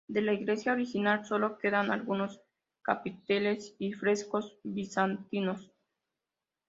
De la iglesia original sólo quedan algunos capiteles y frescos bizantinos.